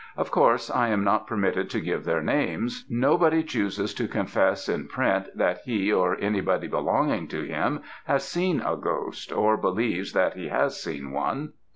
Of course, I am not permitted to give their names; nobody chooses to confess, in print, that he or anybody belonging to him, has seen a ghost, or believes that he has seen one.